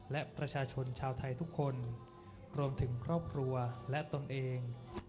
และประชาชนชาวไทยทุกคนรวมถึงครอบครัวและตนเอง